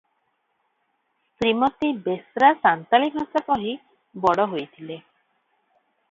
ଶ୍ରୀମତୀ ବେଶ୍ରା ସାନ୍ତାଳୀ ଭାଷା କହି ବଡ଼ ହୋଇଥିଲେ ।